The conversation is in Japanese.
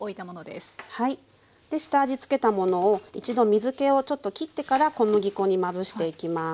で下味付けたものを一度水けをちょっときってから小麦粉にまぶしていきます。